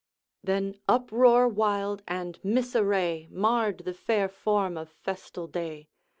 Then uproar wild and misarray Marred the fair form of festal day.